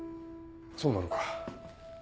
そうなのか。